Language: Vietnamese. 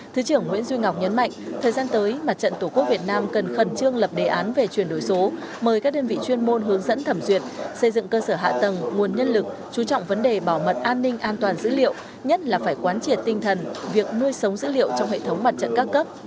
thứ trưởng nguyễn duy ngọc nhấn mạnh thời gian tới mặt trận tổ quốc việt nam cần khẩn trương lập đề án về chuyển đổi số mời các đơn vị chuyên môn hướng dẫn thẩm duyệt xây dựng cơ sở hạ tầng nguồn nhân lực chú trọng vấn đề bảo mật an ninh an toàn dữ liệu nhất là phải quán triệt tinh thần việc nuôi sống dữ liệu trong hệ thống mặt trận ca cấp